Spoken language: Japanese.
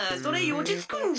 おちつくんじゃ！